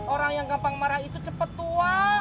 orang yang gampang marah itu cepat tua